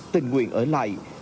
tình nguyện ở lại